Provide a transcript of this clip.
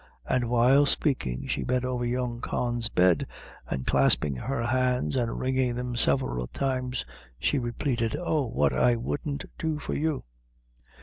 and while speaking she bent over young Con's bed, and clasping her hands, and wringing them several times, she repeated "oh what wouldn't I do for you!"